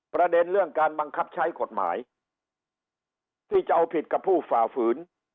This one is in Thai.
ประเด็นเรื่องการบังคับใช้กฎหมายที่จะเอาผิดกับผู้ฝ่าฝืน